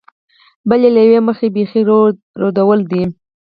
بل یې له یوې مخې بېخي ردول دي.